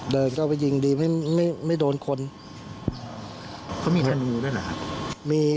เดินเข้าไปยิงดีไม่ได้นี่ไม่โดนคนเขามีธนูย์ด้วยเหรอมี